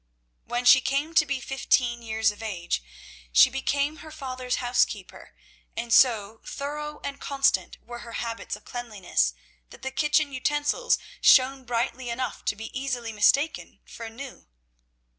When she came to be fifteen years of age, she became her father's housekeeper, and so thorough and constant were her habits of cleanliness that the kitchen utensils shone brightly enough to be easily mistaken for new.